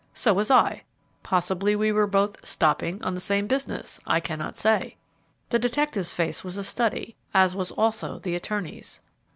So was I. Possibly we were both 'stopping' on the same business; I cannot say." The detective's face was a study, as was also the attorney's.